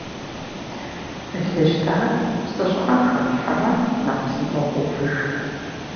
Лы щтар псы щӏыӏэм хэплъхьэмэ, нэхъ псынщӏэу къовыж.